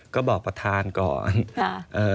ก็บอกประธานก่อน